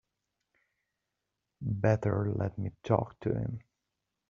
Better let me talk to him.